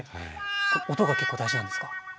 音が結構大事なんですか？